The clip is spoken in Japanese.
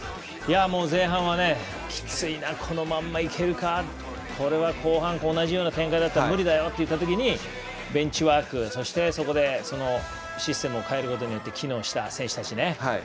前半は、きついなこのままいけるかこれは後半同じような展開だと無理だよっていうときにベンチワーク、そしてそこでシステムを変えることによって機能した選手たちね。